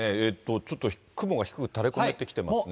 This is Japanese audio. ちょっと雲が低く垂れ込めてきてますね。